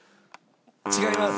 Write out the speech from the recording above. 違います！